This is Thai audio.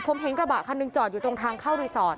ผมเห็นกระบะคันหนึ่งจอดอยู่ตรงทางเข้ารีสอร์ท